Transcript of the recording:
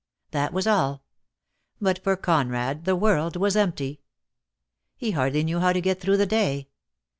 That was all; but for Conrad the world was empty. He hardly knew how to get through the day.